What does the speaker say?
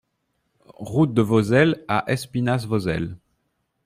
Route de Vozelle à Espinasse-Vozelle